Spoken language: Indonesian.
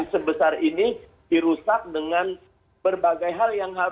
sebesar ini dirusak dengan berbagai hal yang harus